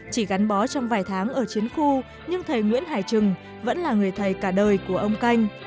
chỉ gắn bó trong vài tháng ở chiến khu nhưng thầy nguyễn hải trừng vẫn là người thầy cả đời của ông canh